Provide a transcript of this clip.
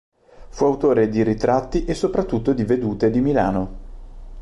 Fu autore di ritratti e soprattutto di vedute di Milano.